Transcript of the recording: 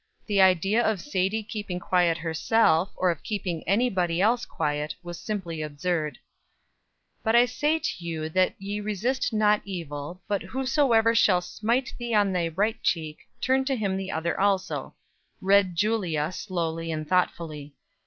The idea of Sadie keeping quiet herself, or of keeping any body else quiet, was simply absurd. "But I say unto you that ye resist not evil, but whosoever shall smite thee on thy right cheek, turn to him the other also," read Julia, slowly and thoughtfully.